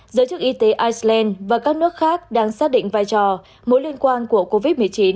giới chức y tế iceland và các nước khác đang xác định vai trò mối liên quan của covid một mươi chín